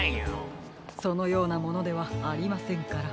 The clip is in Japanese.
そのようなものではありませんから。